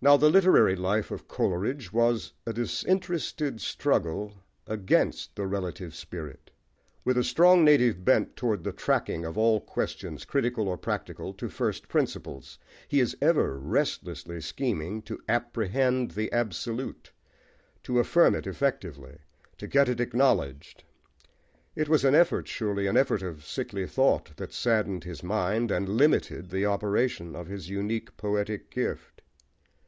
Now the literary life of Coleridge was a disinterested struggle against the relative spirit. With a strong native bent towards the tracking of all questions, critical or practical, to first principles, he is ever restlessly scheming to "apprehend the absolute," to affirm it effectively, to get it acknowledged. It was an effort, surely, an effort of sickly thought, that saddened his mind, and limited the operation of his unique poetic gift.